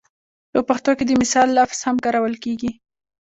په پښتو کې د مثال لفظ هم کارول کېږي